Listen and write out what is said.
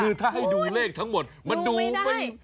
คือถ้าให้ดูเลขทั้งหมดมันดูไม่